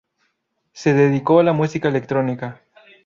Se dedicó a la música electrónica.